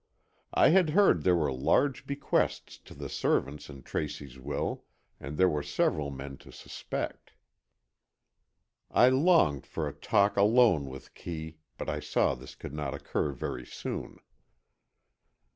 I had heard there were large bequests to the servants in Tracy's will, and there were several men to suspect. I longed for a talk alone with Kee, but I saw this could not occur very soon.